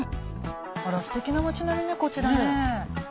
あらステキな町並みねこちらね。